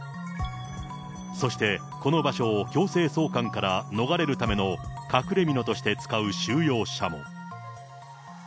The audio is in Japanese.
そして、この場所を強制送還から逃れるための隠れみのとして使う収容者も。